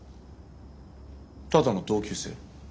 ただの同級生？